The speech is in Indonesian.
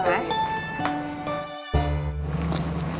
oke makasih ya mas